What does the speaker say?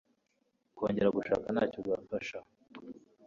kongera gushaka ntacyo bibafasha